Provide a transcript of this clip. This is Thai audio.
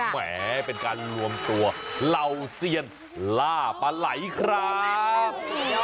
แหมเป็นการรวมตัวเหล่าเซียนล่าปลาไหลครับ